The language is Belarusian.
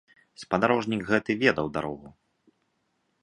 Спадарожнік гэты ведаў дарогу.